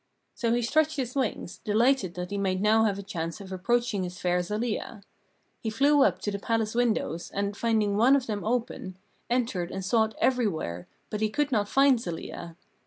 So he stretched his wings, delighted that he might now have a chance of approaching his fair Zelia. He flew up to the palace windows, and, finding one of them open, entered and sought everywhere, but he could not find Zelia.